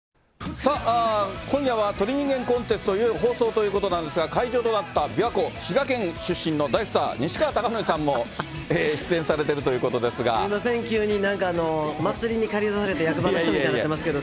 さあ、今夜は鳥人間コンテストいよいよ放送ということなんですが、会場となった琵琶湖、滋賀県出身の大スター、西川貴教さんも出演されすみません、急になんか、祭りに駆り出された役場の人みたいになってますけど。